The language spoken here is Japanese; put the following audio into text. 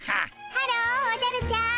ハローおじゃるちゃん。